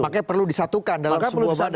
makanya perlu disatukan dalam sebuah badan